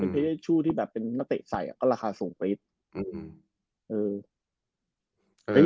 เป็นเภยชู้ที่เป็นนักเตะใส่ก็ราคาสูงไปอีก